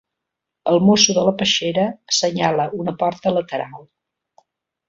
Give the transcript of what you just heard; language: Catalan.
El mosso de la peixera assenyala una porta lateral.